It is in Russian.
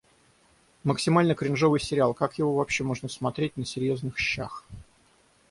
Максимально кринжовый сериал, как его вообще можно смотреть на серьёзных щщах?